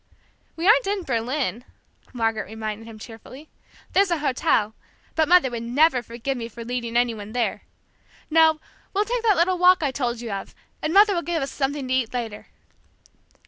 "We aren't in Berlin," Margaret reminded him cheerfully. "There's a hotel, but Mother would never forgive me for leading any one there! No, we'll take that little walk I told you of, and Mother will give us something to eat later.